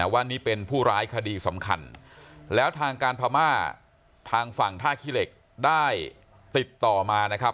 ว่านี่เป็นผู้ร้ายคดีสำคัญแล้วทางการพม่าทางฝั่งท่าขี้เหล็กได้ติดต่อมานะครับ